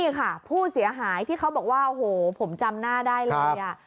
นี่ค่ะผู้เสียหายที่เขาบอกว่าโอ้โหผมจำหน้าได้เลย